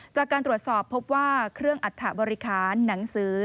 จากการตรวจสอบพบว่าเครื่องอัฐบริคารหนังสือ